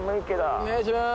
お願いします。